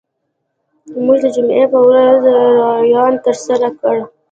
موږ د جمعې په ورځ لاریون ترسره کړ